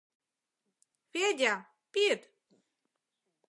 — Федя, пид!